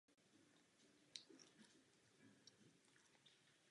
V zajetí se chovají stále jen vzácně.